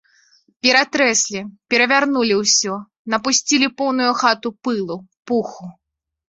Ператрэслі, перавярнулі ўсё, напусцілі поўную хату пылу, пуху.